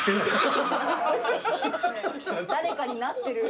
誰かになってる。